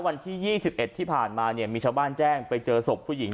วันที่๒๑ที่ผ่านมาเนี่ยมีชาวบ้านแจ้งไปเจอศพผู้หญิง